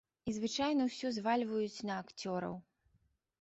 І звычайна ўсё звальваюць на акцёраў.